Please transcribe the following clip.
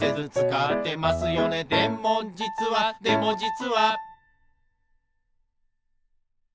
「でもじつはでもじつは」